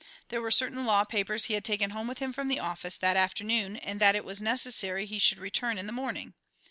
There were certain law papers he had taken home with him from the office that afternoon and that it was necessary he should return in the morning.